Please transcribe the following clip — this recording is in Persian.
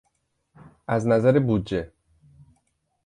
از نظر بودجه